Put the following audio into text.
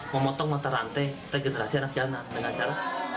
memotong motor rantai regenerasi anak jalanan dengan cara apa